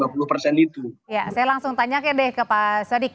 ya saya langsung tanya deh ke pak sadiq